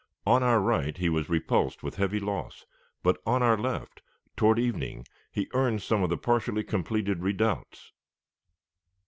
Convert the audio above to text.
On our right he was repulsed with heavy loss; but on our left, toward evening, he earned some of the partially completed redoubts.